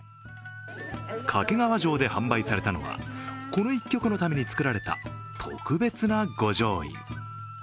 掛川城で販売されたのはこの１局のために作られた特別な御城印。